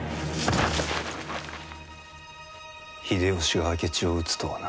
秀吉が明智を討つとはな。